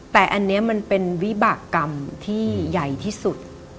แต่อันนี้มันเป็นวิบากรรมที่ใหญ่ที่สุด